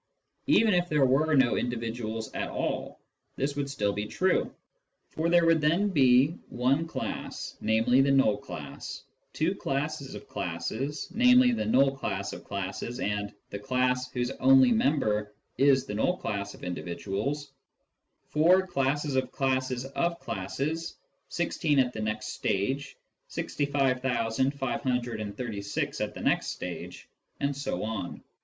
Even if there were no individuals at all, this would still be true, for there would then be one class, namely, the null class, 2 classes of classes (namely, the null class of classes and the class whose only member is the null class of individuals), 4 classes of classes of classes, 16 at the next stage, 65,536 at the next stage, and so on.